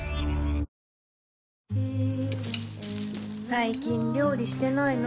最近料理してないの？